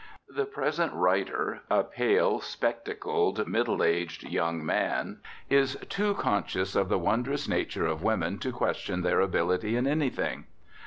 The present writer (a pale, spectacled, middle aged young man) is too conscious of the wondrous nature of women to question their ability in anything.